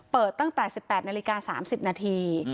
ตั้งแต่๑๘นาฬิกา๓๐นาที